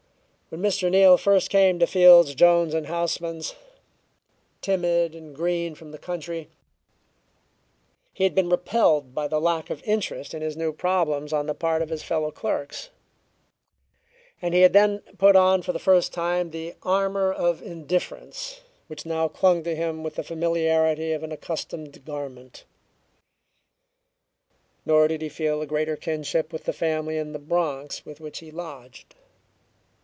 When Mr. Neal first came to Fields, Jones & Houseman's, timid and green from the country, he had been repelled by the lack of interest in his new problems on the part of his fellow clerks, and he had then put on for the first time that armor of indifference which now clung to him with the familiarity of an accustomed garment. Nor did he feel a greater kinship with the family in the Bronx with which he lodged.